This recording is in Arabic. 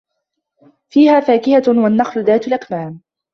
فيها فاكِهَةٌ وَالنَّخلُ ذاتُ الأَكمامِ